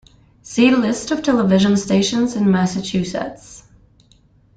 See List of television stations in Massachusetts.